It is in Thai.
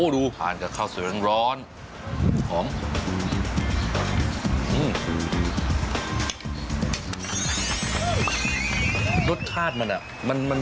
รสชาติมันอ่ะ